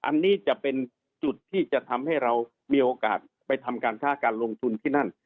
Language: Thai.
อันนี้จะเป็นจุดที่จะทำให้เรามีโอกาสไปทำการค้าการลงทุนที่นั่น